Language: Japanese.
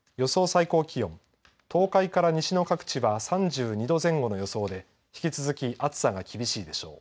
最高気温東海から西の各地は３２度前後の予想で引き続き暑さが厳しいでしょう。